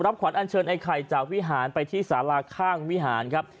ขวัญอันเชิญไอ้ไข่จากวิหารไปที่สาราข้างวิหารครับ